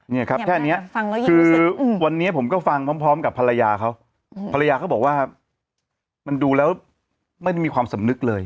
เนี่ยครับแค่นี้คือวันนี้ผมก็ฟังพร้อมกับภรรยาเขาภรรยาเขาบอกว่ามันดูแล้วไม่ได้มีความสำนึกเลย